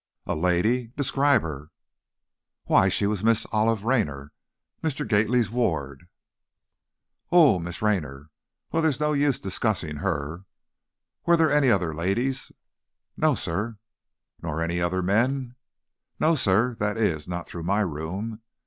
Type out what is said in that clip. "A lady? Describe her." "Why, she was Miss Olive Raynor, Mr. Gately's ward." "Oh, Miss Raynor. Well, there's no use discussing her. Were there any other ladies?" "No, sir." "Nor any other men?" "No, sir; that is, not through my room.